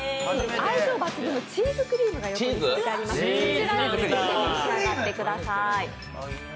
チーズクリームが横つけてありますので、そちらをつけて召し上がってください。